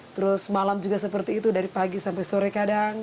terus malam juga seperti itu dari pagi sampai sore kadang